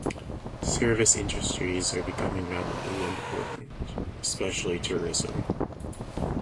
Service industries are becoming rapidly important, especially tourism.